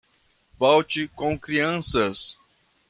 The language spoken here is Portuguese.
Volte com crianças.